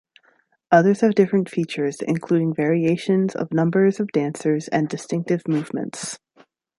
Others have different features including variations of numbers of dancers and distinctive movements.